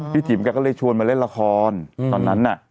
จิ๋มแกก็เลยชวนมาเล่นละครตอนนั้นน่ะ